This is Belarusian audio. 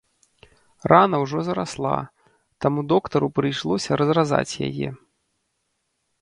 Рана ўжо зарасла, таму доктару прыйшлося разразаць яе.